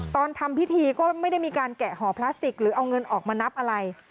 ตอนทำพิธีก็ไม่ได้มีการแกะห่อพลาสติกหรือเอาเงินออกมานับอะไร